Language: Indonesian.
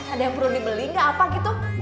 ada yang perlu dibeli nggak apa gitu